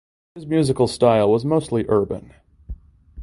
His musical style was mostly urban.